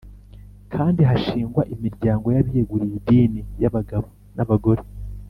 kandi hashingwa imiryango y’abiyeguriye idini y’abagabo n’abagore,